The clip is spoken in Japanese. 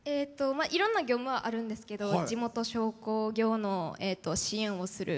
いろんな業務はあるんですけど地元商工業の支援をする。